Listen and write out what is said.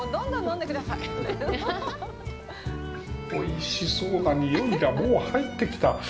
おいしそうな匂いがもう入ってきた。